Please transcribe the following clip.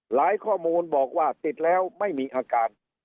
ข้อมูลบอกว่าติดแล้วไม่มีอาการ